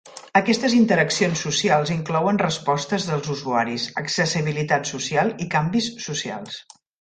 Aquestes interaccions socials inclouen respostes dels usuaris, accessibilitat social i canvis socials.